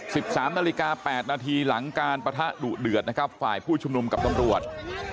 สิบสามนาฬิกาแปดนาทีหลังการปะทะดุเดือดนะครับฝ่ายผู้ชุมนุมกับตำรวจ